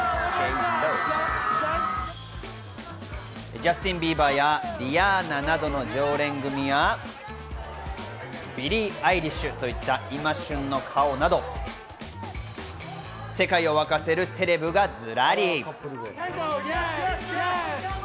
ジャスティン・ビーバー、リアーナなどの常連組や、ビリー・アイリッシュといった今、旬の顔など世界を沸かせるセレブがずらり。